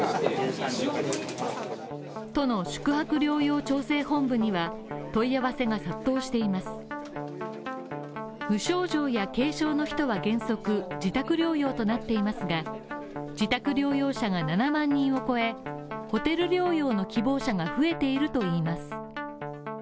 都の宿泊療養調整本部には問い合わせが殺到しています無症状や軽症の人は原則自宅療養となっていますが、自宅療養者が７万人を超え、ホテル療養の希望者が増えているといいます。